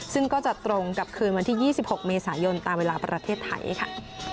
ซึ่งก็จะตรงกับคืนวันที่๒๖เมษายนตามเวลาประเทศไทยค่ะ